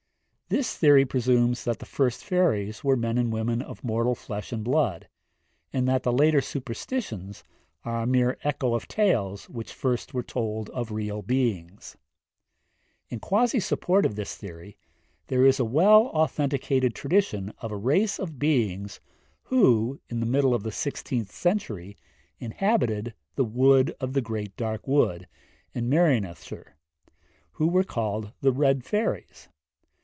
This theory presumes that the first fairies were men and women of mortal flesh and blood, and that the later superstitions are a mere echo of tales which first were told of real beings. In quasi support of this theory, there is a well authenticated tradition of a race of beings who, in the middle of the sixteenth century, inhabited the Wood of the Great Dark Wood (Coed y Dugoed Mawr) in Merionethshire, and who were called the Red Fairies.